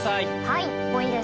はい。